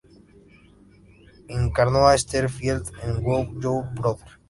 Encarnó a Esther Field en "Who's Your Brother?